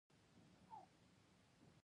د افغانستان تاریخ له ویاړونو ډک دی.